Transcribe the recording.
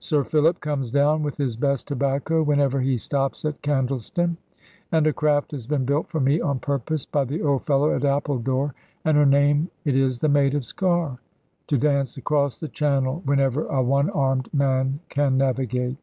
Sir Philip comes down, with his best tobacco, whenever he stops at Candleston. And a craft has been built for me on purpose, by the old fellow at Appledore, and her name it is the "Maid of Sker" to dance across the Channel, whenever a one armed man can navigate.